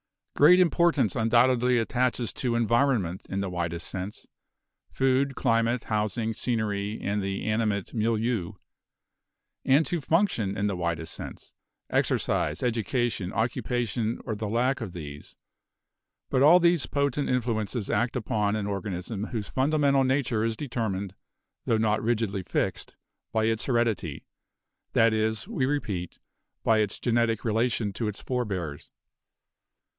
Great importance undoubtedly attaches to Environment in the widest sense — food, climate, housing, scenery and the animate 'milieu'; and to Function in the widest sense, — exercise, education, occupation or the lack of these; but all these potent influences act upon an organism whose fundamental nature is determined, tho not rigidly fixed, by its Heredity, that is, we repeat, by its genetic relation to its forebears.